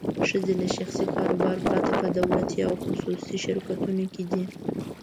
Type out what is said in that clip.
ښځې له شخصي کاروبار پرته په دولتي او خصوصي شرکتونو کې دي.